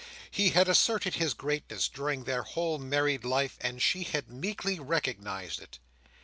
He had asserted his greatness during their whole married life, and she had meekly recognised it.